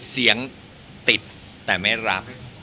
เสียงติดแต่ไม่รับ